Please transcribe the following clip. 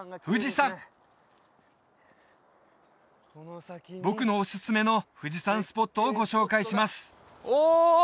富士山僕のおすすめの富士山スポットをご紹介しますおお！